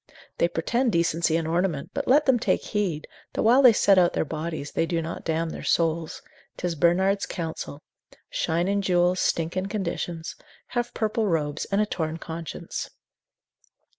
They pretend decency and ornament; but let them take heed, that while they set out their bodies they do not damn their souls; 'tis Bernard's counsel: shine in jewels, stink in conditions; have purple robes, and a torn conscience.